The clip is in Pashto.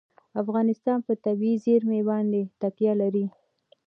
افغانستان په طبیعي زیرمې باندې تکیه لري.